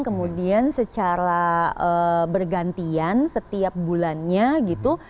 kemudian secara bergantian setiap bulannya gitu